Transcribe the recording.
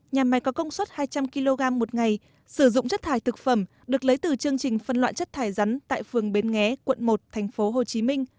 nhà máy có công suất hai trăm linh kg một ngày sử dụng chất thải thực phẩm được lấy từ chương trình phân loạn chất thải rắn tại phường bến nghé quận một tp hcm